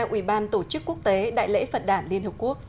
ủy ban tổ chức quốc tế đại lễ phật đảng liên hợp quốc